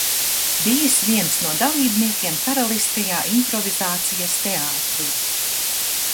"Bijis viens no dalībniekiem "Karaliskajā improvizācijas teātrī"."